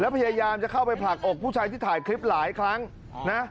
พยายามจะเข้าไปผลักอกผู้ชายที่ถ่ายคลิปหลายครั้งนะ